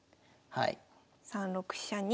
はい。